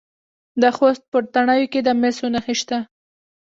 د خوست په تڼیو کې د مسو نښې شته.